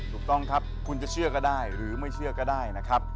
ถูกต้องครับคุณจะเชื่อก็ได้หรือไม่เชื่อก็ได้นะครับ